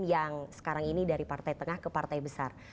yang sekarang ini dari partai tengah ke partai besar